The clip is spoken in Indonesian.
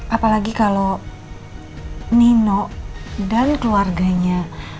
apalagi kalau nino dari keluarganya